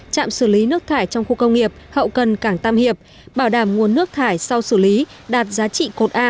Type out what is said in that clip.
trạm xử lý nước thải trong khu công nghiệp hậu cần cảng tam hiệp bảo đảm nguồn nước thải sau xử lý đạt giá trị cột a